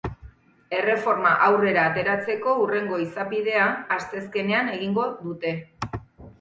Erreforma aurrera ateratzeko hurrengo izapidea asteazkenean egingo dute.